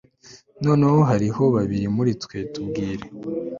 Noneho hariho babiri muri twe ntubwire